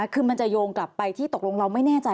คือมันจะโยงกลับไปที่ตกลงเราไม่แน่ใจ